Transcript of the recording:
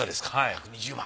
１２０万。